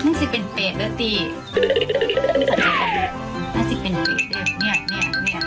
เนี่ย